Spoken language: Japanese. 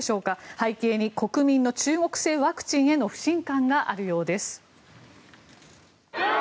背景に国民の中国製ワクチンへの不信感があるようです。